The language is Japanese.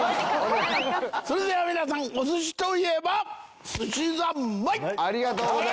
それでは皆さんお寿司といえばすしざんまい！